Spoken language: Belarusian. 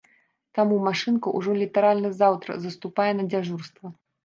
Таму, машынка ўжо літаральна заўтра заступае на дзяжурства.